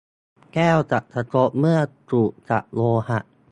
แก้วจะกระทบเมื่อถูกกับโลหะ